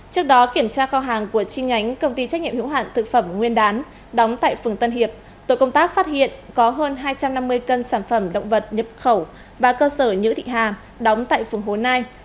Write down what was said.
trước đó kiểm tra kho hàng của chi nhánh công ty trách nhiệm hữu hạn thực phẩm nguyên đán đóng tại phường tân hiệp tổ công tác phát hiện có hơn hai trăm năm mươi cân sản phẩm động vật nhập khẩu và cơ sở nhữ thị hà đóng tại phường hồ nai